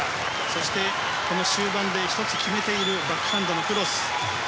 そして、この終盤で１つ、決めているバックハンドのクロス。